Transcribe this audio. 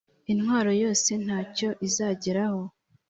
Intwaro yose nta cyo izageraho